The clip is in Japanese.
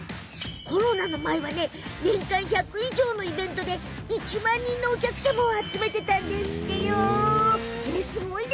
コロナの前は、年間１００以上のイベントで１万人のお客様を集めてたの。